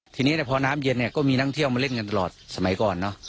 ทีนี้พอน้ำเย็นก็มีนักเที่ยวมาเล่นกันตลอดสมัยก่อน